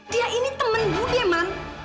dia ini temen budi man